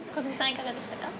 いかがでしたか？